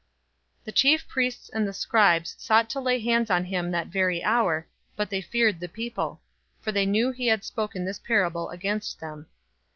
020:019 The chief priests and the scribes sought to lay hands on him that very hour, but they feared the people for they knew he had spoken this parable against them.